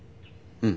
うん。